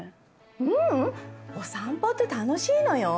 ううんお散歩って楽しいのよ。